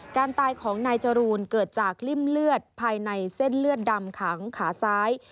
การตายของนายจรูนเกิดจากริ่มเลือดภายในเส้นเลือดดำขังขาซ้าย